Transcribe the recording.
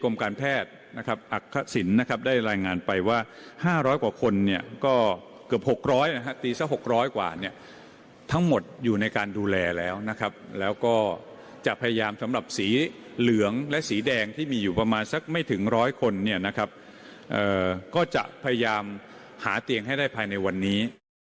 หลายคนเนี่ยนะครับก็จะพยายามหาเตียงให้ได้ภายในวันนี้